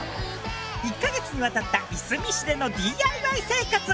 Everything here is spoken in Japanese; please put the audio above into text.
１ヵ月にわたったいすみ市でのＤＩＹ生活。